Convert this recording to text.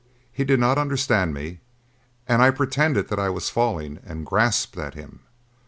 He did not understand me and I pretended that I was falling and grasped at him.